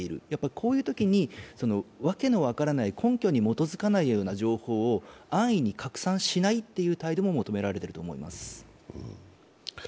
こういうときに訳の分からない根拠に基づかない情報を安易に拡散しないっていう態度も求められていると思います。